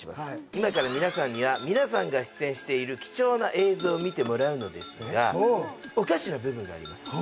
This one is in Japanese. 今から皆さんには皆さんが出演している貴重な映像を見てもらうのですがおかしな部分があります